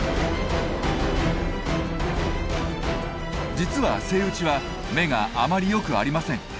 実はセイウチは目があまりよくありません。